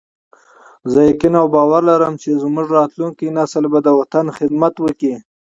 زه یقین او باور لرم چې زموږ راتلونکی نسل به د وطن خدمت وکړي